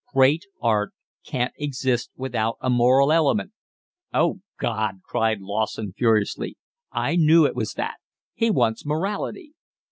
"Great art can't exist without a moral element." "Oh God!" cried Lawson furiously. "I knew it was that. He wants morality."